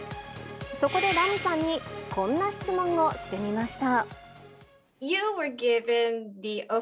そこでラミさんに、こんな質問をしてみました。